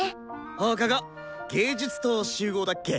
放課後芸術棟集合だっけ？